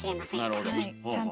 なるほど。